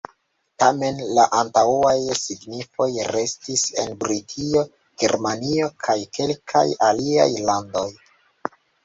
Tamen la antaŭaj signifoj restis en Britio, Germanio kaj kelkaj aliaj landoj.